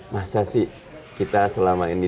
masa sih kita selama ini